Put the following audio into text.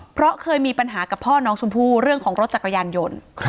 เพราะเคยมีปัญหากับพ่อน้องชมพู่เรื่องของรถจักรยานยนต์